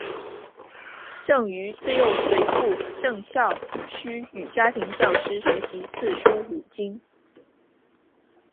郑禹自幼随父郑孝胥与家庭教师学习四书五经。